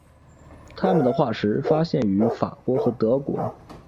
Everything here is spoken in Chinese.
它们的化石发现于法国和德国。